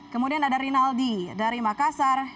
kemudian ada rinaldi dari makassar